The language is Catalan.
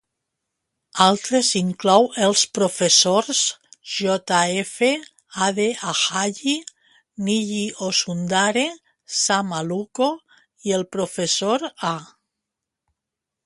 Altres inclou els professors J. F. Ade Ajayi, Niyi Osundare, Sam Aluko i el professor A.